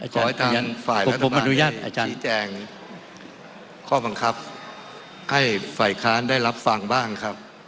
ขอให้ทางฝ่ายผมอนุญาตอาจารย์ชี้แจงข้อบังคับให้ฝ่ายค้านได้รับฟังบ้างครับ